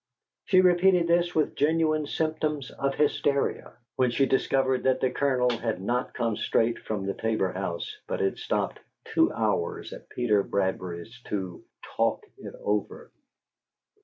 She repeated this with genuine symptoms of hysteria when she discovered that the Colonel had not come straight from the Tabor house, but had stopped two hours at Peter Bradbury's to "talk it over."